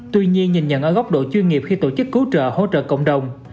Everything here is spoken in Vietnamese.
tuy nhiên nhìn nhận ở góc độ chuyên nghiệp khi tổ chức cứu trợ hỗ trợ cộng đồng